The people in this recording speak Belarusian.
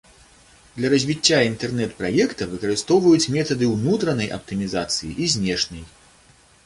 Для развіцця інтэрнэт-праекта выкарыстоўваюць метады ўнутранай аптымізацыі і знешняй.